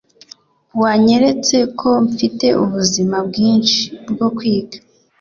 wanyeretse ko mfite ubuzima bwinshi bwo kwiga